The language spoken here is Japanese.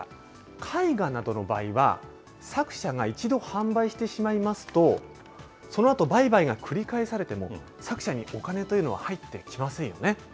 絵画などの場合は、作者が一度販売してしまいますと、そのあと、売買が繰り返されても、作者にお金というのは入ってきませんよね。